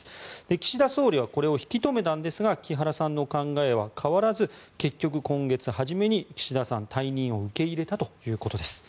岸田総理はこれを引き留めたんですが木原さんの考えは変わらず結局、今月初めに岸田さん、退任を受け入れたということです。